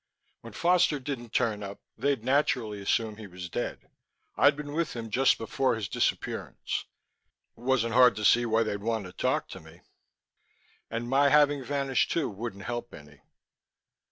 When Foster didn't turn up, they'd naturally assume he was dead. I'd been with him just before his disappearance. It wasn't hard to see why they'd want to talk to me and my having vanished too wouldn't help any.